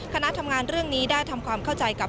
คณะทำงานเรื่องนี้ได้ทำความเข้าใจกับ